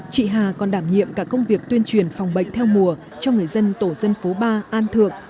chị hà còn đảm nhiệm cả công việc tuyên truyền phòng bệnh theo mùa cho người dân tổ dân phố ba an thượng